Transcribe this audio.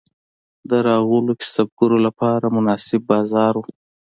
د راغلیو کسبګرو لپاره مناسب بازار و.